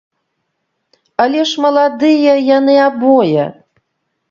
Але ж маладыя яны абое.